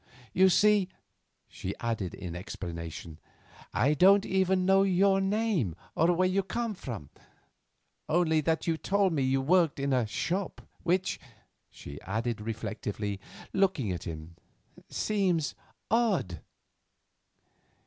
You see," she added in explanation, "I don't even know your name or where you come from, only that you told me you worked in a shop which," she added reflectively, looking at him, "seems odd."